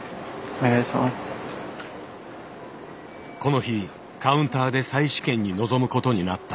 この日カウンターで再試験に臨むことになった。